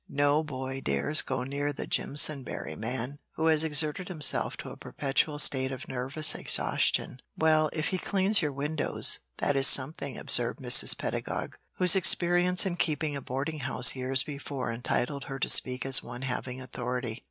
No boy dares go near the Jimpsonberry man, who has exerted himself into a perpetual state of nervous exhaustion." "Well, if he cleans your windows, that is something," observed Mrs. Pedagog, whose experience in keeping a boarding house years before entitled her to speak as one having authority.